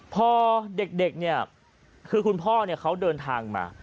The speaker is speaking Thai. พอเด็กคือคุณพอเขาเดินทางมา